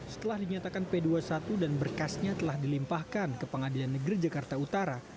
setelah dinyatakan p dua puluh satu dan berkasnya telah dilimpahkan ke pengadilan negeri jakarta utara